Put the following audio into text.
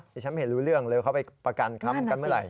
ดิฉันไม่เห็นรู้เรื่องเลยเข้าไปประกันค้ำกันเมื่อไหร่